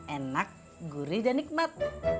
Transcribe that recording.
enak gurih dan nikmat